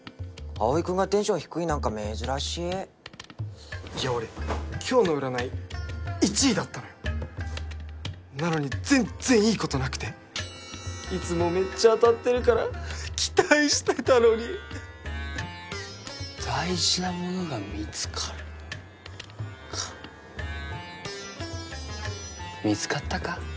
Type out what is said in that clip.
葵君がテンション低いなんか珍しいいや俺今日の占い１位だったのよなのに全然いいことなくていつもめっちゃ当たってるから期待してたのに「大事なものが見つかる」か見つかったか？